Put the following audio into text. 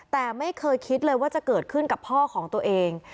แต่ไม่เคยคิดเลยว่าจะเกิดขึ้นกับพ่อของตัวเอง